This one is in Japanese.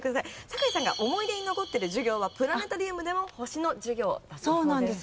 酒井さんが思い出に残ってる授業はプラネタリウムでの星の授業だそうです。